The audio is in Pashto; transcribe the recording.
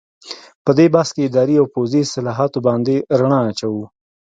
په دې بحث کې اداري او پوځي اصلاحاتو باندې رڼا اچوو.